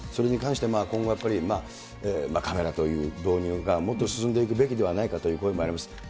それに関して、今後やっぱり、カメラという導入がもっと進んでいくべきではないかという声もあります。